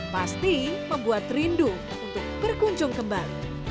pasti membuat rindu untuk berkunjung kembali